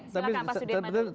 iya silahkan pak sudirman